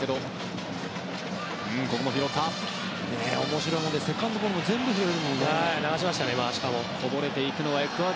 面白いものでセカンドボールも全部拾えるもんね。